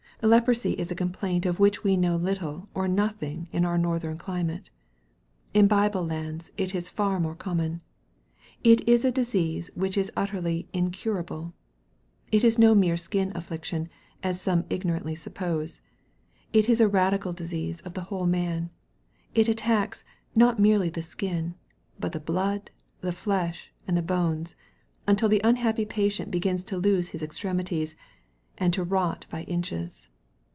Leprosy is a complaint of which we know little or nothing in our northern climate. In Bible lands it is far more common. It is a disease which is utterly incurable. It is no mere skin affection, as some ignorantly suppose. It is a radical disease of the whole man. It attacks, not merely the skin, but the blood, the flesh, and the bones, until the unhappy patient begins to lose his extremities, 22 EXPOSITORY THOUGHTS. and to rot by inches.